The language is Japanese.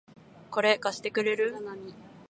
これ、貸してくれる？